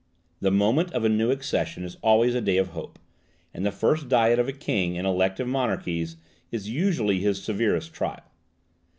The moment of a new accession is always a day of hope; and the first Diet of a king in elective monarchies is usually his severest trial.